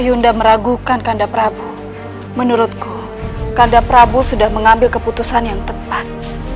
yunda meragukan kanda prabu menurutku kanda prabu sudah mengambil keputusan yang tepat